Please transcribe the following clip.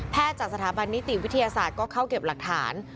จากสถาบันนิติวิทยาศาสตร์ก็เข้าเก็บหลักฐาน